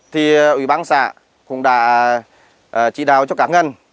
thì ủy bán xã cũng đã trị đào cho các ngân